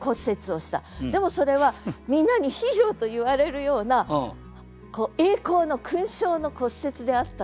でもそれはみんなにヒーローと言われるような栄光の勲章の骨折であったと。